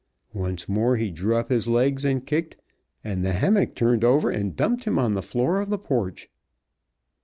Once more he drew up his legs and kicked, and the hammock turned over and dumped him on the floor of the porch.